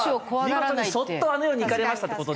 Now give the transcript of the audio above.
見事にそっとあの世にいかれましたって事で。